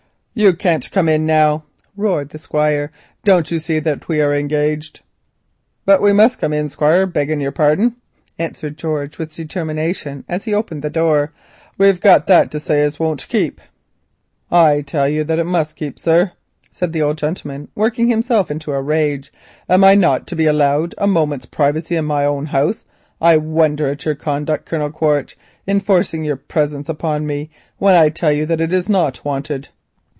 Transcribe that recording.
"You can't come in now," roared the Squire; "don't you see that we are engaged?" "But we must come in, Squire, begging your pardon," answered George, with determination, as he opened the door; "we've got that to say as won't keep." "I tell you that it must keep, sir," said the old gentleman, working himself into a rage. "Am I not to be allowed a moment's privacy in my own house? I wonder at your conduct, Colonel Quaritch, in forcing your presence upon me when I tell you that it is not wanted."